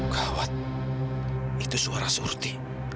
gawat itu suara suruti